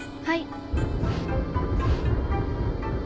はい。